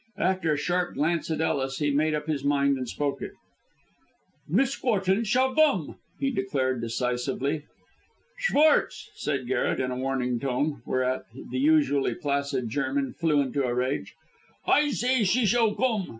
After a sharp glance at Ellis, he made up his mind and spoke it. "Miss Corton shall gome!" he declared decisively. "Schwartz!" said Garret, in a warning tone, whereat the usually placid German flew into a rage. "I say she shall gome!"